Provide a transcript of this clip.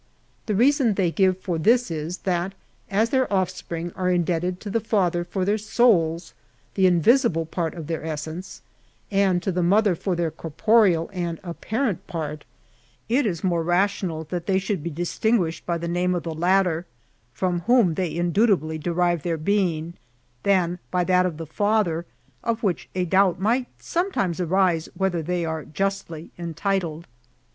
The reason they give for this is, tint as their offspring are indebted to the father for their souls, the invisible part of their essence, and to the mother for treir corporeal and ap parent part, it is more rational that they should be distin guished by the name of the latter, from whom tl^ey indubi tably derive their being, than by that of the father, to which a doubt might sometimes arise whether they are justly entitled.